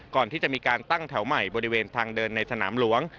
ก่อนที่จะมีการตั้งแถวใหม่บริเวณทางเดินในสนามหลวง